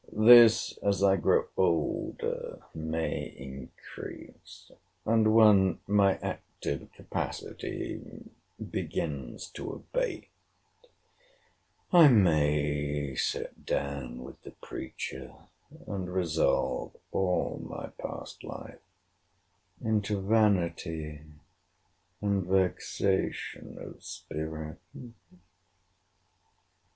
This, as I grow older, may increase; and when my active capacity begins to abate, I may sit down with the preacher, and resolve all my past life into vanity and vexation of spirit.